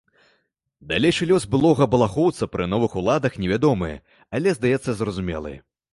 Далейшы лёс былога балахоўца пры новых уладах невядомы, але, здаецца, зразумелы.